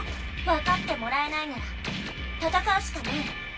わかってもらえないならたたかうしかない。